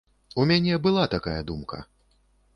У мяне была такая думка.